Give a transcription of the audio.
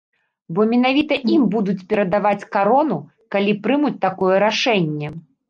Бо менавіта ім будуць перадаваць карону, калі прымуць такое рашэнне.